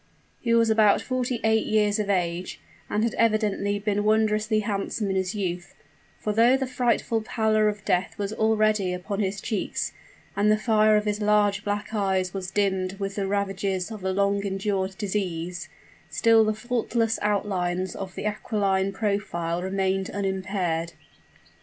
He was about forty eight years of age, and had evidently been wondrously handsome in his youth: for though the frightful pallor of death was already upon his cheeks, and the fire of his large black eyes was dimmed with the ravages of a long endured disease, still the faultless outlines of the aquiline profile remained unimpaired.